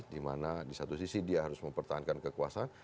dimana di satu sisi dia harus mempertahankan kekuasaan